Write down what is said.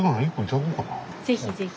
是非是非。